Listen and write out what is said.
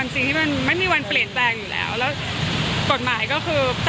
แล้วกฎหมายก็คือ